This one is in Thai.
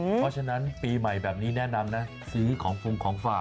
เพราะฉะนั้นปีใหม่แบบนี้แนะนำนะซื้อของฟงของฝาก